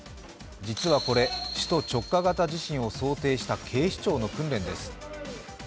実はこれ、首都直下型地震を想定した警視庁の訓練です。